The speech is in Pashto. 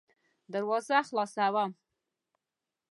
دروازه خلاصوم .